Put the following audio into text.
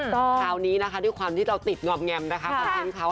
คราวนี้นะคะด้วยความที่เราติดงอมแงมนะคะคอนเทนต์เขา